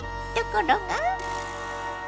ところが。